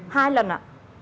hai lần ạ